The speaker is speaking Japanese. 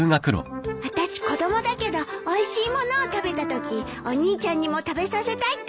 あたし子供だけどおいしい物を食べたときお兄ちゃんにも食べさせたいって思うときあるわ。